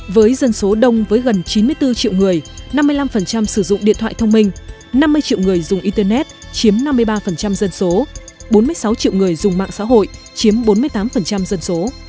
với dân số đông với gần chín mươi bốn triệu người năm mươi năm sử dụng điện thoại thông minh năm mươi triệu người dùng internet chiếm năm mươi ba dân số bốn mươi sáu triệu người dùng mạng xã hội chiếm bốn mươi tám dân số